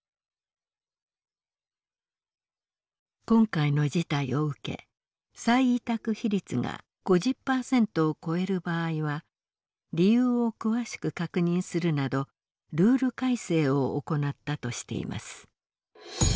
今回の事態を受け再委託費率が５０％を超える場合は理由を詳しく確認するなどルール改正を行ったとしています。